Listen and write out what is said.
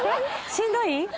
しんどい？